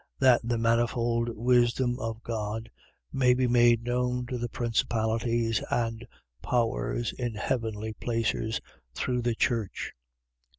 That the manifold wisdom of God may be made known to the principalities and powers in heavenly places through the church, 3:11.